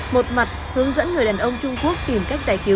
một mặt hướng dẫn người đàn ông trung quốc tìm cách giải cứu